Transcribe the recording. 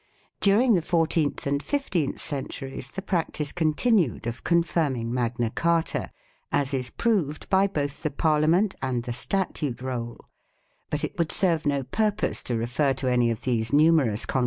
9 During the fourteenth and fifteenth centuries the practice continued of confirming Magna Carta, as is proved by both the Parliament arid the Statute Roll ; but it would serve no purpose to refer to any of these 1 "Rot.